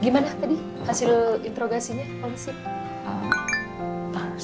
gimana tadi hasil interogasinya polisi